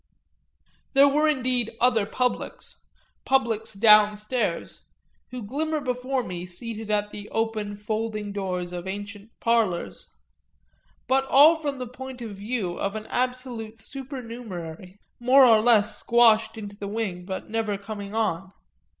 There were indeed other publics, publics downstairs, who glimmer before me seated at the open folding doors of ancient parlours, but all from the point of view of an absolute supernumerary, more or less squashed into the wing but never coming on.